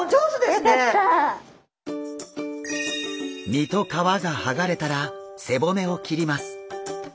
身と皮がはがれたら背骨を切ります。